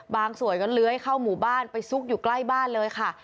สวยก็เลื้อยเข้าหมู่บ้านไปซุกอยู่ใกล้บ้านเลยค่ะ